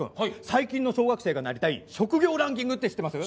最近の小学生がなりたい職業ランキングって知ってます？